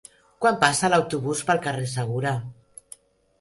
Quan passa l'autobús pel carrer Segura?